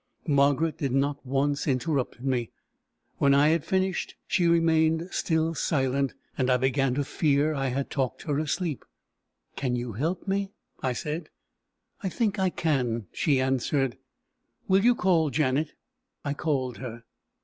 Margaret did not once interrupt me. When I had finished she remained still silent, and I began to fear I had talked her asleep. "Can you help me?" I said. "I think I can," she answered. "Will you call Janet?" I called her.